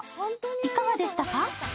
いかがでしたか？